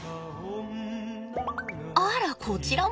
あらこちらも。